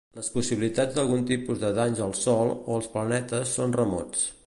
Les possibilitats d'algun tipus de danys al Sol o els planetes són remotes.